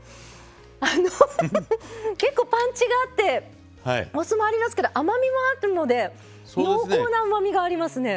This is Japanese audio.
あの結構パンチがあってお酢もありますけど甘みもあるので濃厚なうまみがありますね。